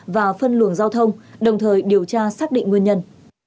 và phân luồng giao thông đồng thời điều tra xác định nguyên nhân